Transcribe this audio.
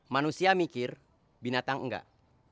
manusia mikir binatang enggak